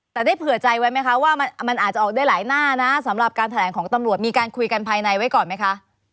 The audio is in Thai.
แต่ได้เผื่อใจไว้ไหมคะว่ามันอาจจะออกได้หลายหน้านะสำหรับการแถลงของตำรวจมีการคุยกันภายในไว้ก่อนไหมคะ